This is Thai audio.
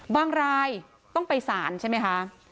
บางรายต้องไปสารใช่ไหมคะ